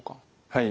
はい。